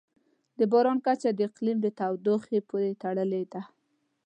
د باران کچه د اقلیم د تودوخې پورې تړلې ده.